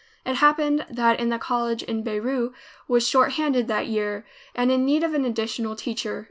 It happened that the College in Beirut was short handed that year, and in need of an additional teacher.